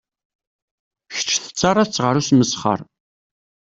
Kečč tettaraḍ-tt ɣer usmesxer.